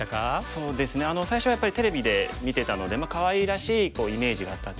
そうですね最初はやっぱりテレビで見てたのでかわいらしいイメージがあったんですけれども。